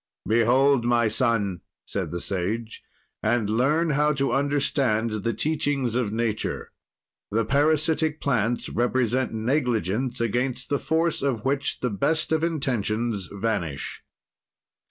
"Behold, my son," said the Sage, "and learn how to understand the teachings of nature: The parasitic plants represent negligence against the force of which the best of intentions vanish."